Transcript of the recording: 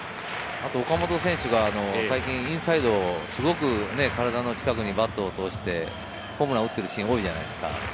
岡本選手が最近インサイドをすごく体の近くにバットを通してホームランを打っているシーンが多いじゃないですか。